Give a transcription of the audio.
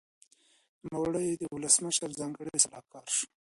نوموړي د ولسمشر ځانګړی سلاکار شو.